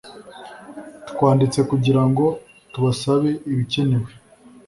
Twanditse kugirango tubasabe ibikenewe